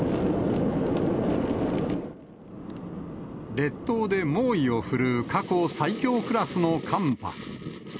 列島で猛威を振るう過去最強クラスの寒波。